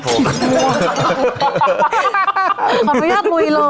ขออนุญาตบุยล่ะ